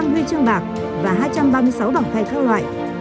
một trăm ba mươi năm huy chương bạc và hai trăm ba mươi sáu bảng khai các loại